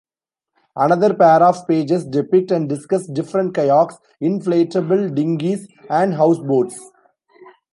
Another pair of pages depict and discuss different kayaks, inflatable dinghies, and houseboats.